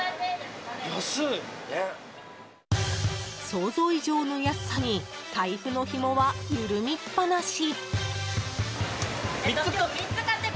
想像以上の安さに財布のひもは緩みっぱなし。